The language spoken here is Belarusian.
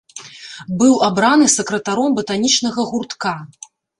Быў абраны сакратаром батанічнага гуртка.